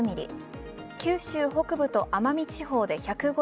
九州北部と奄美地方で１５０ｍｍ